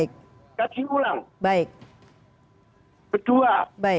pertama kaji ulang